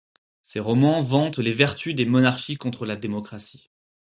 Ses romans vantent les vertus des monarchies contre la démocratie.